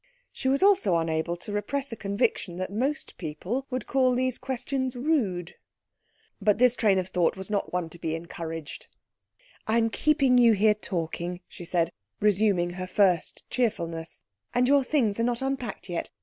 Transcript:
She was also unable to repress a conviction that most people would call these questions rude. But this train of thought was not one to be encouraged. "I am keeping you here talking," she said, resuming her first cheerfulness, "and your things are not unpacked yet.